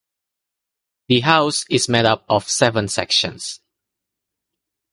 The house is made up of seven sections.